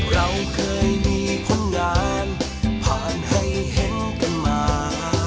เราเคยมีคนงานผ่านให้เห็นกันมา